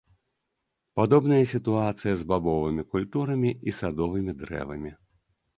Падобная сітуацыя з бабовымі культурамі і садовымі дрэвамі.